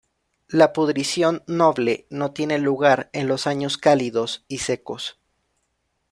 La pudrición noble no tiene lugar en los años cálidos y secos.